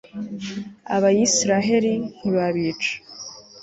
abayisraheli ntibabica